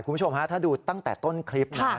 คุณผู้ชมฮะถ้าดูตั้งแต่ต้นคลิปนะ